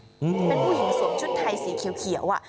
เป็นผู้หญิงสวมชุดไทยสีเขียว